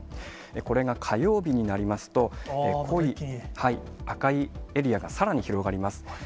これが火曜日になりますと、濃い赤いエリアがさらに広がります。